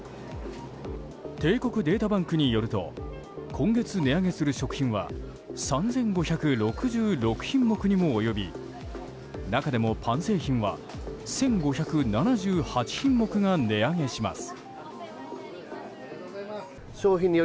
帝国データバンクによると今月値上げする食品は３５６６品目にも及び中でもパン製品は１５７８品目が値上げします。